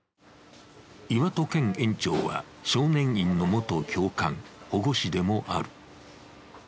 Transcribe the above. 岩戸顕園長は、少年院の元教官、保護司でもある。